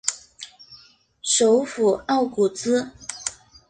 首府奥古兹。